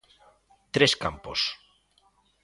Tres campos.